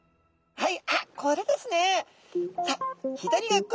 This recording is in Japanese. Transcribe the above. はい。